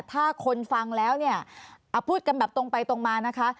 ถ้าคนฟังแล้วเนี่ยพูดกันแบบตรงไปตรงมานะคะ